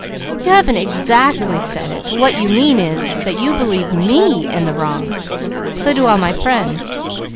You haven't exactly said it, but what you mean is that you believe me in the wrong; so do all my friends.